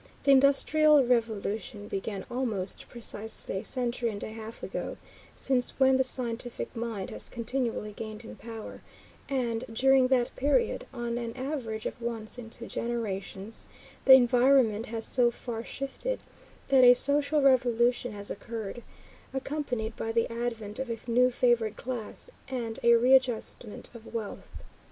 The Industrial Revolution began almost precisely a century and a half ago, since when the scientific mind has continually gained in power, and, during that period, on an average of once in two generations, the environment has so far shifted that a social revolution has occurred, accompanied by the advent of a new favored class, and a readjustment of wealth.